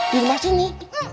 di rumah sini